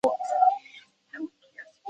倪氏碘泡虫为碘泡科碘泡虫属的动物。